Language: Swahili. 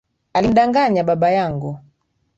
Alimdanganya baba yangu